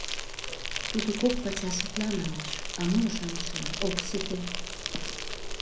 Тудо кок пачаш утла налеш, а моло-шамычлан ок сите.